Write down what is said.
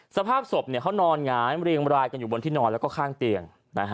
สภาพศพเขานอนหงายเรียงรายกันอยู่บนที่นอนแล้วก็ข้างเตียง